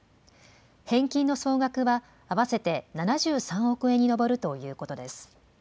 返金の総額は、合わせて７３億円に上るということです。